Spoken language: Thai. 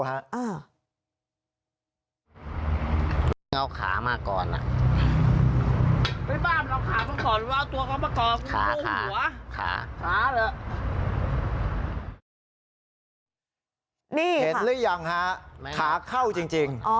เห็นหรือยังฮะขาเข้าจริง